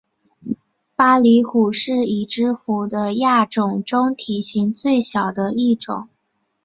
巴厘虎是已知虎的亚种中体型最小的一种。